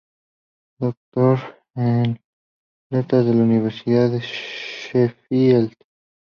Doctor en letras por la Universidad de Sheffield.